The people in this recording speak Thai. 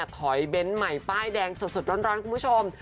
เบนท์ใหม่ป้ายแดงสดร้อนคุณผู้ชม